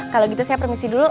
kalau gitu saya permisi dulu